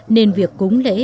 nên việc cúng lễ